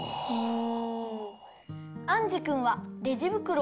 お。